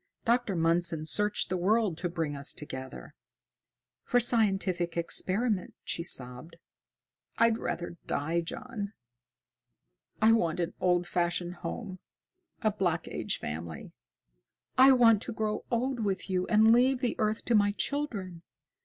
Dr. Mundson searched the world to bring us together." "For scientific experiment!" she sobbed. "I'd rather die, John. I want an old fashioned home, a Black Age family. I want to grow old with you and leave the earth to my children.